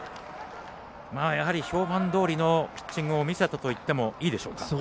やはり、評判どおりのピッチングを見せたといってもいいでしょうか。